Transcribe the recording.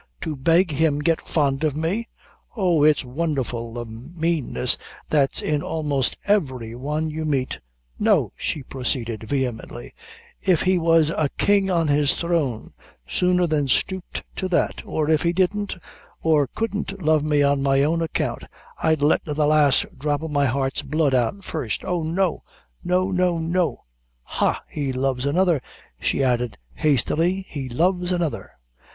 to beg him get fond o' me! Oh, its wondherful the maneness that's in a'most every one you meet. No," she proceeded, vehemently; "if he was a king on his throne, sooner than stoop to that, or if he didn't, or couldn't love me on my own account, I'd let the last drop o' my heart's blood out first. Oh, no! no, no, no ha! He loves another," she added, hastily; "he loves another!"